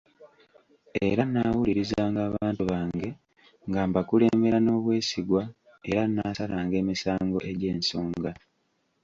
Era nnaawulirizanga abantu bange nga mbakulembera n’obwesigwa era nnaasalanga emisango agy’ensonga.